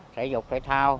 thể dục thể thao